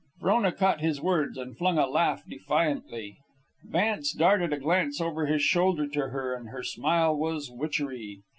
Frona caught his words and flung a laugh defiantly. Vance darted a glance over his shoulder to her, and her smile was witchery.